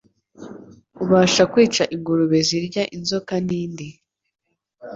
ubasha kwica ingurube zirya inzoka n’indi